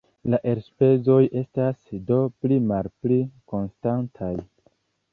La elspezoj estas do pli-malpli konstantaj.